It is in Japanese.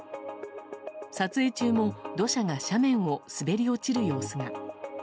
撮影中も土砂が斜面を滑り落ちる様子が。